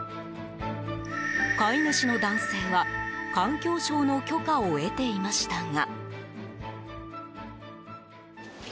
飼い主の男性は、環境省の許可を得ていましたが。